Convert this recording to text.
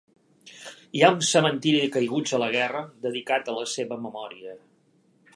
Hi ha un cementiri de caiguts a la guerra dedicat a la seva memòria.